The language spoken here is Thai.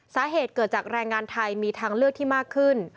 สาเหตุเกิดจากแรงงานไทยมีทางเลือกที่มากขึ้น